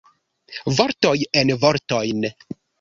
Vortoj en vortojn.